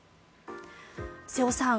瀬尾さん